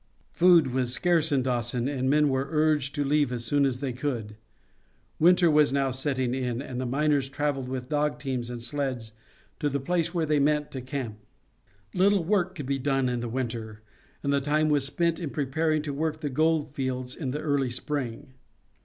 Food was scarce in Dawson, and men were urged to leave as soon as they could. Winter was now setting in, and the miners traveled with dog teams and sleds to the place where they meant to camp. Little work could be done in the winter, and the time was spent in preparing to work the gold fields in the early spring.